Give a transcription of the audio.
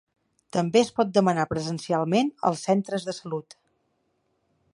També es pot demanar presencialment als centres de salut.